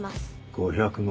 ５００万。